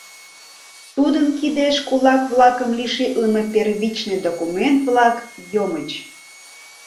Тудын кидеш кулак-влакым лишитлыме первичный документ-влак «йомыч».